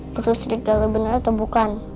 betul serigala beneran atau bukan